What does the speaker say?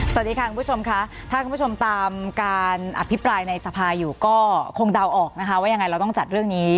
สวัสดีค่ะคุณผู้ชมค่ะถ้าคุณผู้ชมตามการอภิปรายในสภาอยู่ก็คงเดาออกนะคะว่ายังไงเราต้องจัดเรื่องนี้